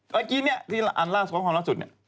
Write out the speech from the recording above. เมื่อกี้เนี่ยที่อันล่าสุดเพราะความล่าสุดเนี่ย